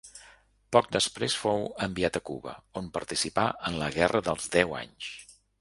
Poc després fou enviat a Cuba, on participà en la Guerra dels Deu Anys.